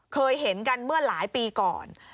เคยเห็นกันเมื่อหลายปีก่อน